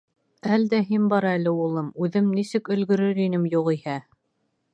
— Әлдә һин бар әле, улым, үҙем нисек өлгөрөр инем, юғиһә!